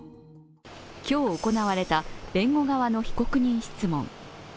今日行われた弁護側の被告人質問。